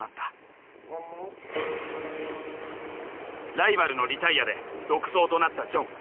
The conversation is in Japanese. ライバルのリタイアで独走となったジョン。